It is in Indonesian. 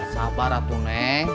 sabar ratu neng